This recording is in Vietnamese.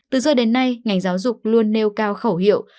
từ xưa đến nay ngành giáo dục luôn nêu cao khẩu hiệu